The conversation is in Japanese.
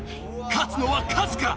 勝つのはカズか？